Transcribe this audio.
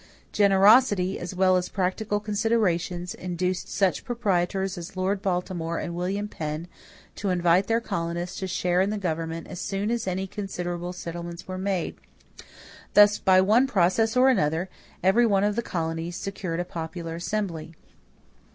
Generosity, as well as practical considerations, induced such proprietors as Lord Baltimore and William Penn to invite their colonists to share in the government as soon as any considerable settlements were made. Thus by one process or another every one of the colonies secured a popular assembly.